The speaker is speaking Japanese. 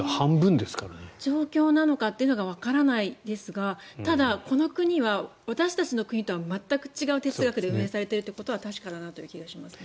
状況がわからないですがただ、この国は私たちの国とは全く違う哲学で運営されているってことは確かだという気がしますね。